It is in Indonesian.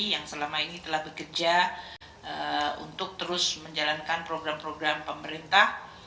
yang selama ini telah bekerja untuk terus menjalankan program program pemerintah